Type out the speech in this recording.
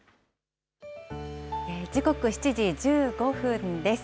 時刻７時１５分です。